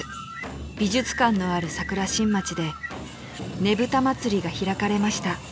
［美術館のある桜新町でねぶた祭が開かれました］